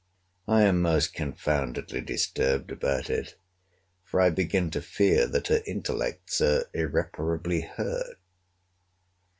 I am most confoundedly disturbed about it: for I begin to fear that her intellects are irreparably hurt.